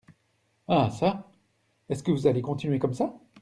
Ah çà ! est-ce que vous allez continuer comme ça ?…